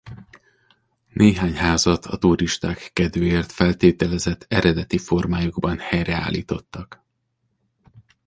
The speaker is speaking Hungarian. Néhány házat a turisták kedvéért feltételezett eredeti formájukban helyreállítottak.